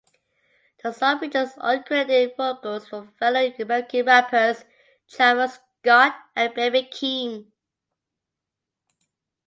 The song features uncredited vocals from fellow American rappers Travis Scott and Baby Keem.